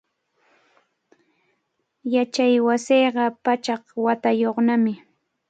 Yachaywasinqa pachak watayuqnami.